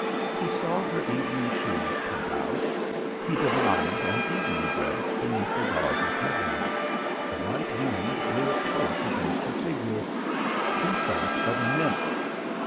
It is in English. He saw her evening shoes peep out; he divined an evening dress beneath the gauzy covering. The light wind blew it close against her figure. He thought of a nymph.